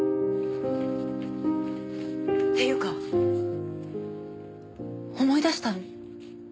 っていうか思い出したの？